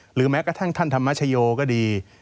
แม้กระทั่งท่านธรรมชโยก็ดี